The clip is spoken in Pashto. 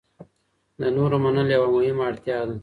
د نورو منل یوه مهمه اړتیا ده.